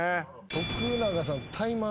徳永さん。